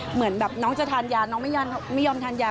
เหมือนแบบน้องจะทานยาน้องไม่ยอมทานยา